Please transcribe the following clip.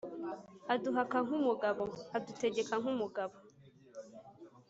Aduhaka nk’umugabo: adutegeka nk’umugabo.